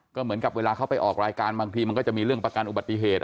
ก็เหมือนกับเวลาเขาไปออกรายการบางทีมันก็จะมีเรื่องประกันอุบัติเหตุ